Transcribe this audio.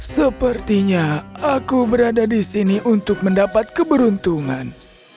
sepertinya aku berada di sini untuk mendapat keberuntungan